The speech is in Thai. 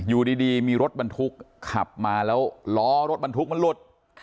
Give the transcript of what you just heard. อยู่ดีมีรถบรรทุกขับมาแล้วล้อรถบรรทุกมันหลุด